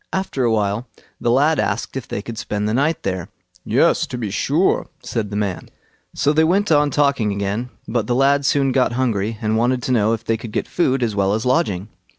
After a while, the lad asked if they could spend the night there. "Yes, to be sure", said the man. So they went on talking again, but the lad soon got hungry, and wanted to know if they could get food as well as lodging.